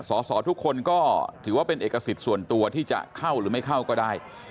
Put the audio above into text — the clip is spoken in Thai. สอสอทุกคนก็ถือว่าเป็นเอกสิทธิ์ส่วนตัวที่จะเข้าหรือไม่เข้าก็ได้